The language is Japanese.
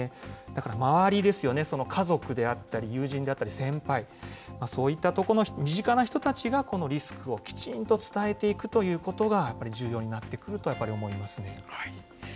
だから、周りですよね、家族であったり、友人であったり、先輩、そういったところの身近な人たちがリスクをきちんと伝えていくということが、やっぱり重要になってくると思いますね。